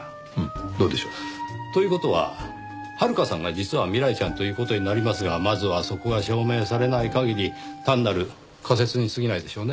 どうでしょう？という事は遥香さんが実は未来ちゃんという事になりますがまずはそこが証明されない限り単なる仮説にすぎないでしょうね。